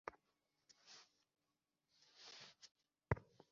অবিনাশ এবং বসন্ত অসুস্থ শরীরের ছুতা করিয়া চার-পাঁচ দিনের মধ্যেই কলিকাতায় ফিরিয়া আসিল।